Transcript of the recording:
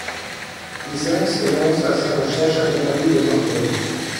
Isaac se lance à sa recherche accompagné de Norton.